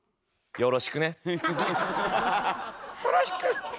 よろしくね。